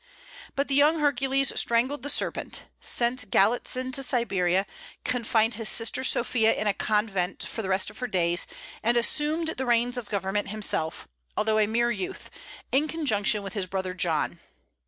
But the young Hercules strangled the serpent, sent Galitzin to Siberia, confined his sister Sophia in a convent for the rest of her days, and assumed the reins of government himself, although a mere youth, in conjunction with his brother John.